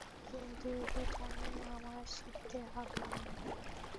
কিন্তু, প্রথমে আমার শিখতে হবে।